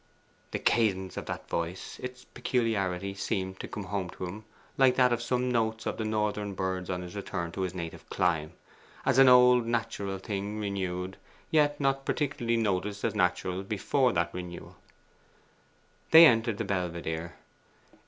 The cadence of that voice its peculiarity seemed to come home to him like that of some notes of the northern birds on his return to his native clime, as an old natural thing renewed, yet not particularly noticed as natural before that renewal. They entered the Belvedere.